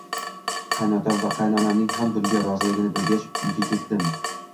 Qaynotam va qaynonamning ham bunga roziligini bilgach, uyga ketdim